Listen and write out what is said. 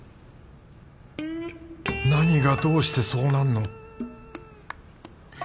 何がどうしてそうなんの？